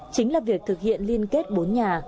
chính là việc thực hiện liên kết bốn nhà